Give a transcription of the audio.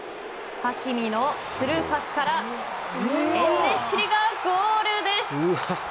ハキミのスルーパスからエンネシリがゴールです。